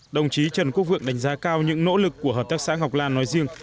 đồng chí trần quốc vượng đánh giá cao những nỗ lực của hợp tác xã ngọc lan nói riêng